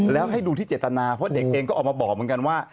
แล้วให้ดูที่เจตนาเพราะเด็กเองก็ออกมาบอกเหมือนกันว่า